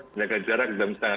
menjaga jarak jam tangan